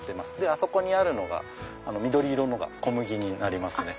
あそこにあるのが緑色のが小麦になりますね。